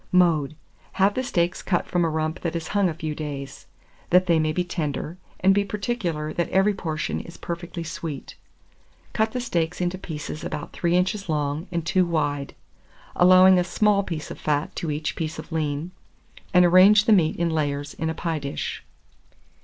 Mode. Have the steaks cut from a rump that has hung a few days, that they may be tender, and be particular that every portion is perfectly sweet. Cut the steaks into pieces about 3 inches long and 2 wide, allowing a small piece of fat to each piece of lean, and arrange the meat in layers in a pie dish.